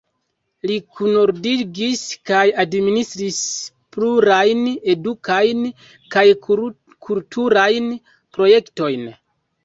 Li kunordigis kaj administris plurajn edukajn kaj kulturajn projektojn.